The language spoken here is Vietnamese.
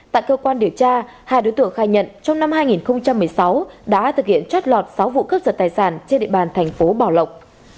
tại cơ quan điều tra hai đối tượng khai nhận trong năm hai nghìn một mươi sáu đã thực hiện trót lọt sáu vụ cướp giật tài sản trên địa bàn thành phố bảo lộc